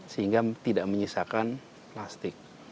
sehingga tidak menyisakan plastik